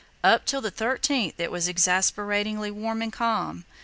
Up till the 13th it was exasperatingly warm and calm.